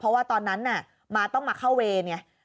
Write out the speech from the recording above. เพราะว่าตอนนั้นน่ะมาต้องมาเข้าเวรไง